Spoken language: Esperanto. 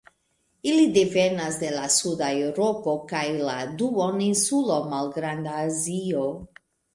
Ili devenas de la suda Eŭropo kaj la duoninsulo Malgranda Azio.